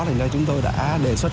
thì chúng tôi đã đề xuất